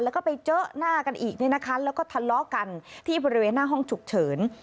แล้วก็ไปเจอหน้ากันอีกเนี่ยนะคะแล้วก็ทะเลาะกันที่บริเวณหน้าห้องฉุกเฉิน